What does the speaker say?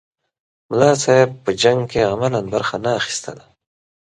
ملا صاحب په جنګ کې عملاً برخه نه اخیستله.